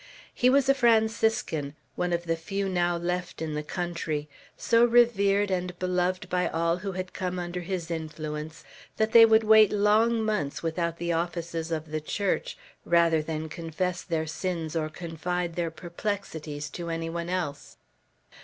He was a Franciscan, one of the few now left in the country; so revered and beloved by all who had come under his influence, that they would wait long months without the offices of the Church, rather than confess their sins or confide their perplexities to any one else.